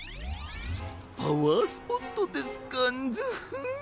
パワースポットですかンヅフッ！